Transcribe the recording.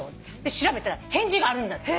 調べたら返事があるんだって。